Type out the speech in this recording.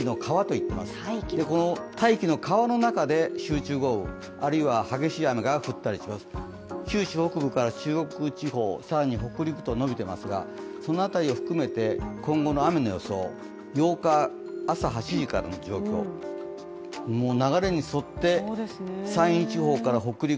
そしてこの大気の川の中で集中豪雨、あるいは激しい雨が降ったりします、九州北部から中国地方更に北陸とのびていますが、その辺りを含めて、今後の雨の予想、８日朝８時からの状況、流れに沿って山陰地方から北陸、